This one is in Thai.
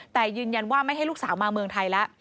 แต่ยืนยันว่าไม่ให้ลูกสาวมาเมืองไทยแล้ว